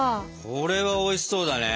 これはおいしそうだね。